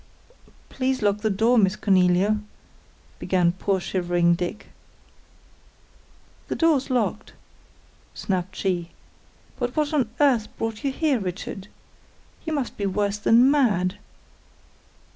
"Please lock the door, Miss Cornelia," began poor shivering Dick. "The door's locked," snapped she. "But what on earth brought you here, Richard? You must be worse than mad."